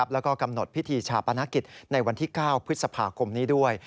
แล้วก็กำหนดพิธีชาปนกิจในวันที่๙พฤษภาคมนี้ด้วย